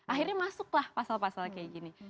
akhirnya masuklah pasal pasal kayak gini